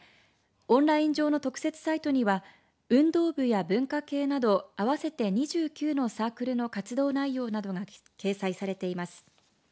オンライン上の特設サイトには運動部や文化系など合わせて２９のサークルの活動内容などが掲載されています。